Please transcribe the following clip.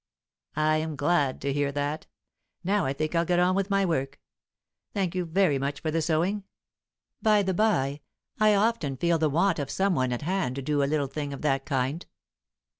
"I am glad to hear that. Now I think I'll get on with my work. Thank you very much for the sewing. By the bye, I often feel the want of some one at hand to do a little thing of that kind."